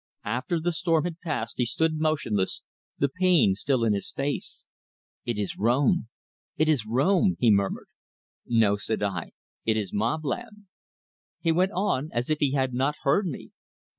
After the storm had passed, he stood motionless, the pain still in his face "It is Rome! It is Rome!" he murmured. "No," said I, "it is Mobland." He went on, as if he had not heard me.